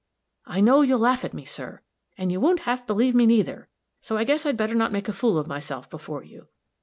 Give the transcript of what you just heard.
"I know you'll laugh at me, sir; and you won't half believe me, neither so I guess I'd better not make a fool of myself before you.